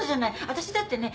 私だってね